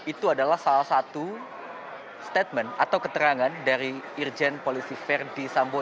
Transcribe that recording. itu adalah salah satu statement atau keterangan dari irjen polisi verdi sambo